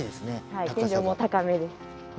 はい天井も高めです。